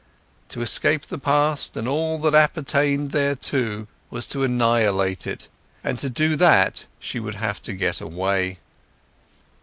To escape the past and all that appertained thereto was to annihilate it, and to do that she would have to get away.